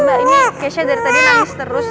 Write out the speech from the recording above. mbak ini kesha dari tadi nangis terus